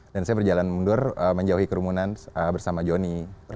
dan saya berjalan mundur menjauhi kerumunan bersama johnny